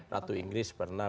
ratu inggris pernah